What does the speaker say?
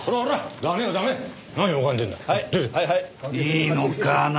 いいのかな？